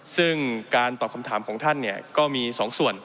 ซึ่งการตอบคำถามของท่านก็มี๒ส่วน